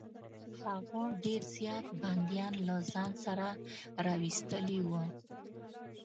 هغه ډېر زیات بندیان له ځان سره راوستلي وه.